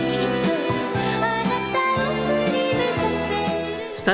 「あなたをふりむかせる」